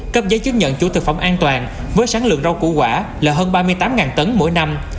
cấp giấy chứng nhận chủ thực phẩm an toàn với sáng lượng rau củ quả là hơn ba mươi tám tấn mỗi năm